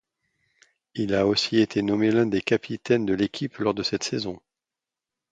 Il a aussi été nommé l'un des capitaines de l'équipe lors de cette saison.